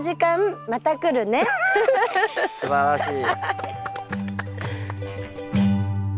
すばらしい。